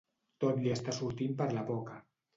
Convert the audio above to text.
Tot li està sortint per la boca.